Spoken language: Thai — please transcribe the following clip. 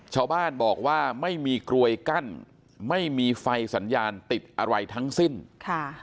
ชาวบ้านบอกว่าไม่มีกลวยกั้นไม่มีไฟสัญญาณติดอะไรทั้งสิ้นค่ะ